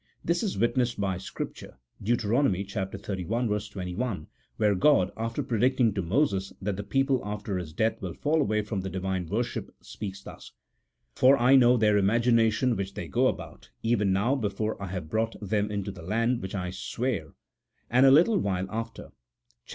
This is witnessed by Scrip ture (Deut. xxxi. 21), where God, after predicting to Moses that the people after his death will fall away from the Divine worship, speaks thus :" For I know their imagina tion which they go about, even now before I have brought them into the land which I sware ;" and, a little while after (xxxi.